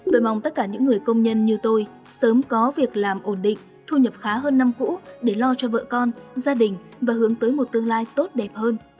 tôi mong tất cả những người công nhân như tôi sớm có việc làm ổn định thu nhập khá hơn năm cũ để lo cho vợ con gia đình và hướng tới một tương lai tốt đẹp hơn